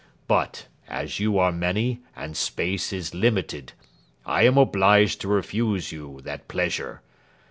But, as you are many and space is limited, I am obliged to refuse you that pleasure.